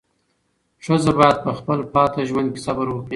ښځه باید په خپل پاتې ژوند کې صبر وکړي.